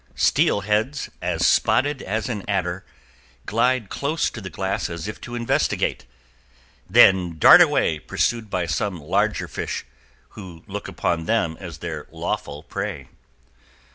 Steel heads, as spotted as an adder, glide close to the glass as if to investigate, then dart away pursued by some larger fish, who look upon them as their lawful prey.